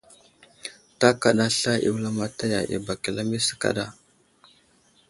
Ta kaɗa sla i wulamataya i bak i lamise kaɗa.